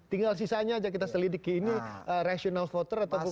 tinggal sisanya aja kita selidiki ini rasional voter atau bukan